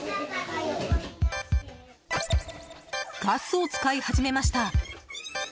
ガスを使い始めました。